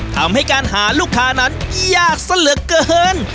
ทำให้การหาลูกค้านั้นยากซะเหลือเกิน